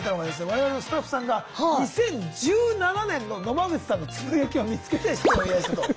我々のスタッフさんが２０１７年の野間口さんのつぶやきを見つけて出演を依頼したと。